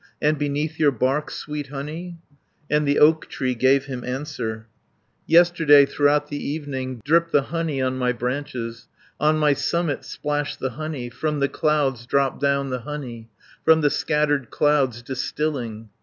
And beneath your bark sweet honey?" 430 And the oak tree gave him answer, "Yesterday, throughout the evening, Dripped the honey on my branches, On my summit splashed the honey, From the clouds dropped down the honey, From the scattered clouds distilling."